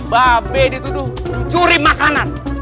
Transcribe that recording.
babe dituduh curi makanan